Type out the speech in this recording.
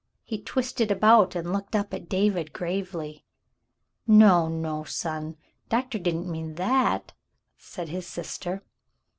'^" He twisted about and looked up at David gravely. "No, no, son. Doctor didn't mean that," said his sister.